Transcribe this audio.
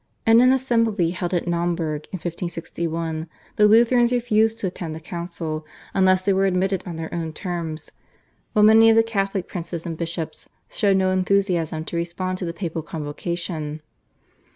In an assembly held at Naumburg in 1561 the Lutherans refused to attend the council, unless they were admitted on their own terms, while many of the Catholic princes and bishops showed no enthusiasm to respond to the papal convocation.